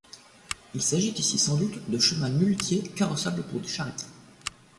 Il s'agit ici sans doute de chemins muletiers carrossables pour des charrettes.